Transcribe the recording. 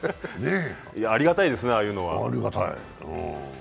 ありがたいですね、ああいうのは。